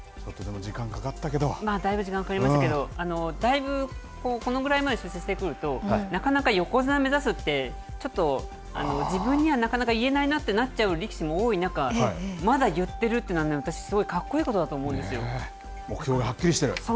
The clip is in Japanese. だいぶ時間はかかりましたけどこのぐらいまで出世してくるとなかなか横綱目指すって自分ではなかなか言えないという力士が多い中まだ言ってるというのはかっこいいことだと目標がはっきりしてる。